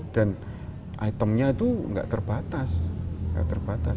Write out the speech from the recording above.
dan itemnya itu tidak terbatas